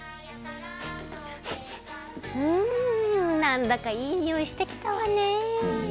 なんだかいいにおいしてきたわね！